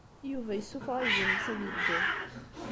Yuba yessuffeɣ aydi-nnes ad yeddu.